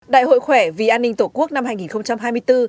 đại hội khỏe vì an ninh tổ quốc năm hai nghìn hai mươi bốn do công an tỉnh hà nam